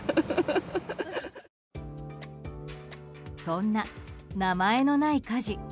そんな名前のない家事。